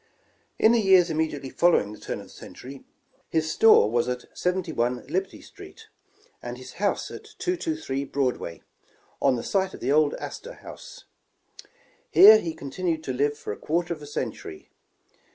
In the years immediately following the turn of the century, his store was at 71 Liberty street, and his house at 223 Broadway, on the site of the old Astor House. Here he continued to live for a quarter of a century.